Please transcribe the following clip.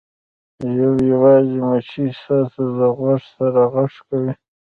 یو یوازې مچۍ ستاسو د غوږ سره غږ کوي